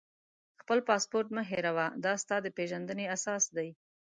خپل پاسپورټ مه هېروه، دا ستا د پېژندنې اساس دی.